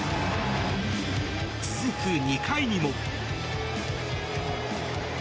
続く、２回にも。